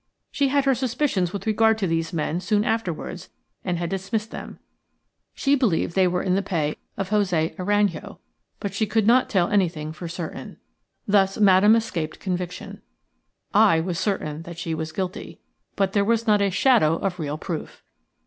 She had her suspicions with regard to these men soon afterwards, and had dismissed them. She believed that they were in the pay of José Aranjo, but she could not tell anything for certain. Thus Madame escaped conviction. I was certain that she was guilty, but there was not a shadow of real proof.